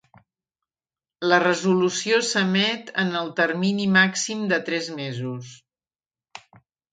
La resolució s'emet en el termini màxim de tres mesos.